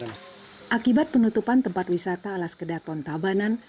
akibat penutupan tempat wisata alas kedaton tabanan